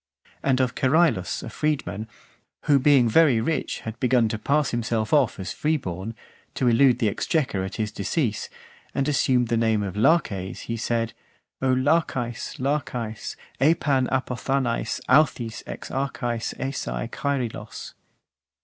And of Cerylus, a freedman, who being very rich, had begun to pass himself off as free born, to elude the exchequer at his decease, and assumed the name of Laches, he said: O Lachaes, Lachaes, Epan apothanaes, authis ex archaes esae Kaerylos.